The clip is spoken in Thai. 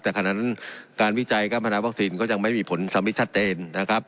แต่ขณะนั้นการวิจัยการพนาวัคซีนก็ยังไม่มีผลสำริทชัดเจนนะครับ